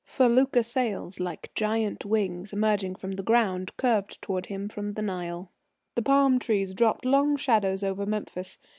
Felucca sails, like giant wings emerging from the ground, curved towards him from the Nile. The palm trees dropped long shadows over Memphis.